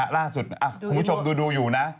ล่าสุดคุณผู้ชมดูอยู่นะ